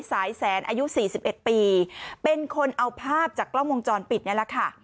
สายแสนอายุ๔๑ปีเป็นคนเอาภาพจากกล้องวงจรปิดนี่แหละค่ะ